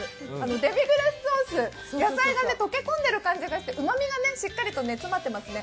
デミグラスソース、野菜が溶け込んでいる感じがしてうまみがしっかりと詰まってますね。